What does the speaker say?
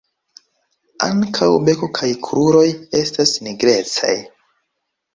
Ankaŭ beko kaj kruroj estas nigrecaj.